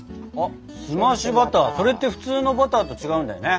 澄ましバターそれって普通のバターと違うんだよね。